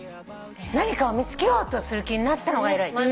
何かを見つけようとする気になったのが偉い。